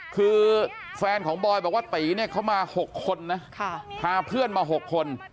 คือแฟนของบอยบอกว่าตีเนี่ยเขามา๖คนนะพาเพื่อนมา๖คน